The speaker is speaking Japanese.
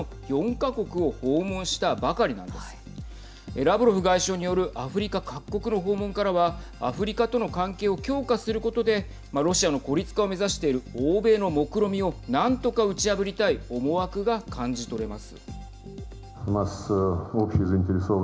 ラブロフ外相によるアフリカ各国の訪問からはアフリカとの関係を強化することでロシアの孤立化を目指している欧米のもくろみを何とか打ち破りたい思惑が感じ取れます。